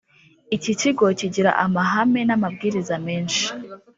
Iki kigo kigira amahame na amabwiriza menshi